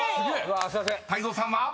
泰造さんは？］